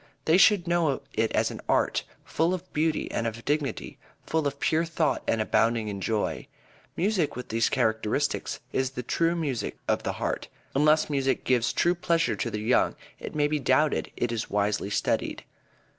They should know it as an art, full of beauty and of dignity; full of pure thought and abounding in joy. Music with these characteristics is the true music of the heart. Unless music gives true pleasure to the young it may be doubted if it is wisely studied.